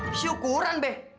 hah syukuran be